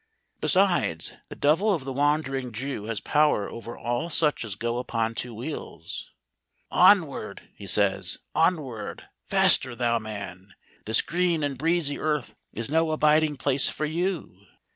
"Besides, the devil of the Wandering Jew has power over all such as go upon two wheels. 'Onward,' he says, 'onward! Faster, thou man! This green and breezy earth is no abiding place for you!'